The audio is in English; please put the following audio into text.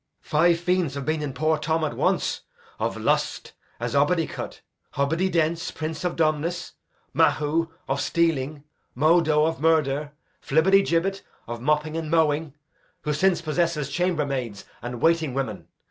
Five fiends have been in poor Tom at once: of lust, as Obidicut; Hobbididence, prince of dumbness; Mahu, of stealing; Modo, of murder; Flibbertigibbet, of mopping and mowing, who since possesses chambermaids and waiting women.